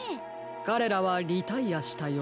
かれらはリタイアしたようです。